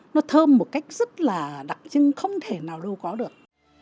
nó thơm một cách rất là đặc trưng không thể nào lưu có được